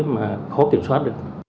mà khó kiểm soát được